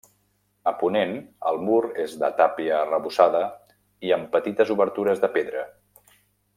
A ponent el mur és de tàpia arrebossada i amb petites obertures de pedra.